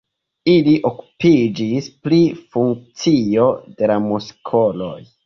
Ili okupiĝis pri funkcio de la muskoloj.